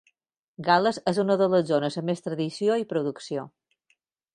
Gal·les és una de les zones amb més tradició i producció.